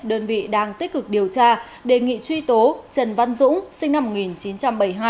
đơn vị đang tích cực điều tra đề nghị truy tố trần văn dũng sinh năm một nghìn chín trăm bảy mươi hai